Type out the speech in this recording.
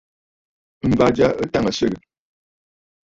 M̀bà ja ɨ tàŋə̀ swegè.